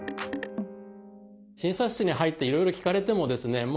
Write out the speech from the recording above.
診察室に入っていろいろ聞かれてもですね